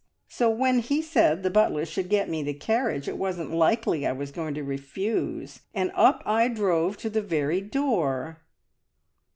So when he said the butler should get me the carriage, it wasn't likely I was going to refuse, and up I drove to the very door!"